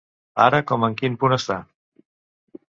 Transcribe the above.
Ara com en quin punt està?